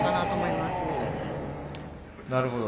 なるほど。